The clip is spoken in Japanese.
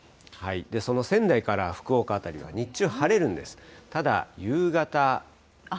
その仙台から福岡辺りは、日中晴れるんです。